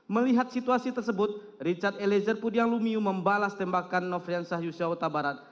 melihat situasi tersebut richard elezer pudiang lumiu membalas tembakan nofrian sahius syahuta barat